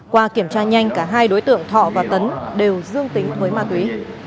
qua kiểm tra nhanh cả hai đối tượng thọ và tấn đều dương tính với ma túy